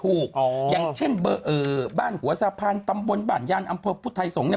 ถูกอย่างเช่นบ้านหัวสะพานตำบลบรรยานอำเภอพุทธัยสงฆ์